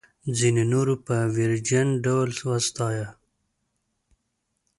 ځینو نورو په ویرجن ډول وستایه.